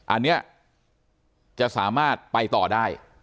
อันนี้จะสามารถไปต่อได้